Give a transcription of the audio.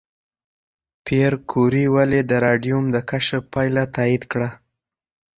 پېیر کوري ولې د راډیوم د کشف پایله تایید کړه؟